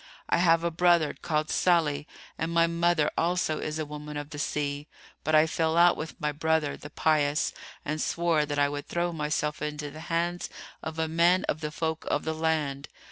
I have a brother called Sálih, and my mother also is a woman of the sea; but I fell out with my brother 'The Pious' and swore that I would throw myself into the hands of a man of the folk of the land.